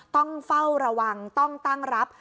ต้องเฝ้าระวังต้องตั้งรับ